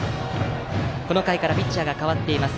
この回からピッチャーが代わっています。